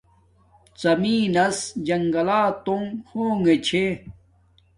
زمین نس جنگلاتونگ ہونگے چھے